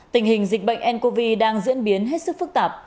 tình hình dịch bệnh ncov đang diễn biến hết sức phức tạp